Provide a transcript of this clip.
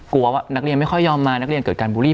ว่านักเรียนไม่ค่อยยอมมานักเรียนเกิดการบูลลี